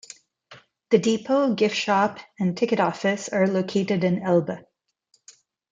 The depot, gift shop and ticket office are located in Elbe.